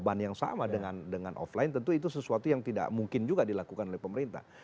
beban yang sama dengan offline tentu itu sesuatu yang tidak mungkin juga dilakukan oleh pemerintah